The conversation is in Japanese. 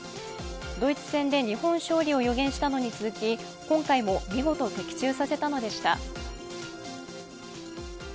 ドイツ戦で日本勝利を予言したのに続き、今回も見事的中させたのでした。